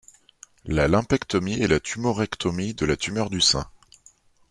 La lumpectomie est la tumorectomie de la tumeur du sein.